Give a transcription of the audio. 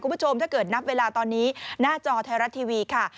คุณผู้ชมถ้าเกิดนับเวลาตอนนี้หน้าจอไทยรัฐทีวีค่ะ